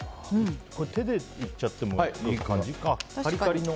手でいっちゃってもいい感じ？